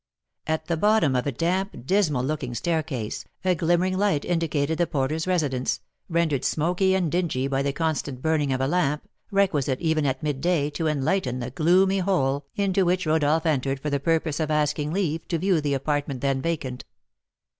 At the bottom of a damp, dismal looking staircase, a glimmering light indicated the porter's residence, rendered smoky and dingy by the constant burning of a lamp, requisite, even at midday, to enlighten the gloomy hole, into which Rodolph entered for the purpose of asking leave to view the apartment then vacant.